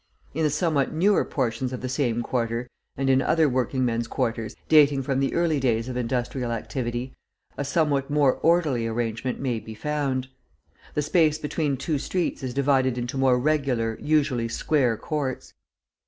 In the somewhat newer portions of the same quarter, and in other working men's quarters, dating from the early days of industrial activity, a somewhat more orderly arrangement may be found. The space between two streets is divided into more regular, usually square courts.